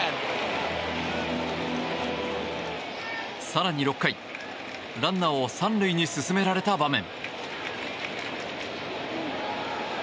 更に６回、ランナーを３塁に進められた場面。